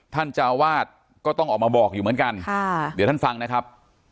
เจ้าวาดก็ต้องออกมาบอกอยู่เหมือนกันเดี๋ยวท่านฟังนะครับ